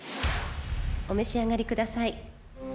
お召し上がりください。